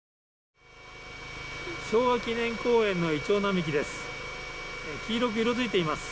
昭和記念公園のイチョウ並木です。